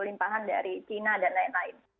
limpahan dari china dan lain lain